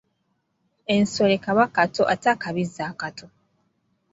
Ensole kabwa kato ate akabizzi akato?